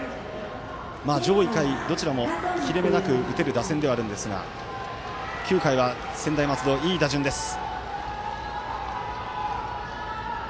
上位、下位どちらも切れ目なく打てる打線ではあるんですが９回は専大松戸いい打順です。